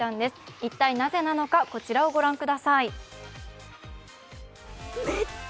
一体なぜなのか、こちらを御覧ください。